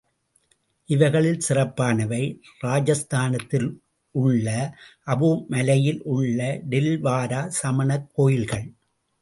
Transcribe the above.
இவைகளில் சிறப்பானவை ராஜஸ்தானத்தில் உள்ள அபூமலையில் உள்ள டில்வாரா சமணக் கோயில்கள்.